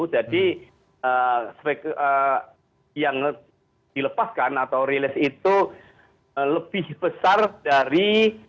jadi yang dilepaskan atau rilis itu lebih besar dari